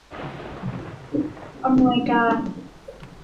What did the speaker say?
อำนวยการ